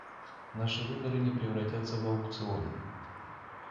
Наши выборы не превратятся в аукционы.